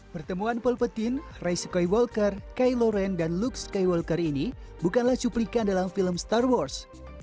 pertemuan paul petin ray skowalker kai loren dan luke skowalker ini bukanlah cuplikan dalam film star wars